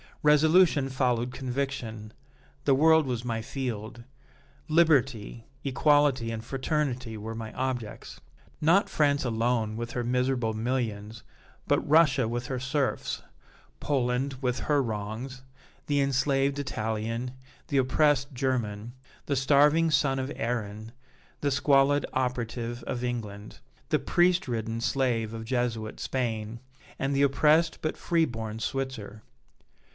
Resolution followed conviction; the world was my field; liberty, equality and fraternity were my objects. Not France alone, with her miserable millions, but Russia with her serfs, Poland with her wrongs, the enslaved Italian, the oppressed German, the starving son of Erin, the squalid operative of England, the priest ridden slave of Jesuit Spain, and the oppressed but free born Switzer.